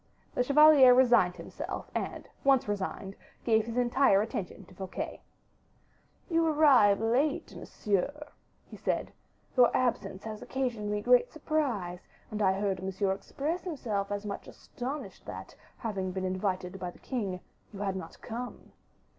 The chevalier resigned himself, and, once resigned, gave his entire attention to Fouquet: "You arrive late, monsieur," he said. "Your absence has occasioned great surprise, and I heard Monsieur express himself as much astonished that, having been invited by the king, you had not come."